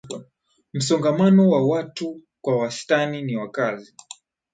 Msongamano wa watu kwa wastani ni wakazi